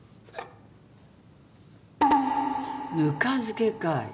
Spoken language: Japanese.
ぬか漬けかい。